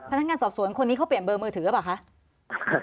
พนักงานสอบสวนคนนี้เขาเปลี่ยนเบอร์มือถือหรือเปล่าคะ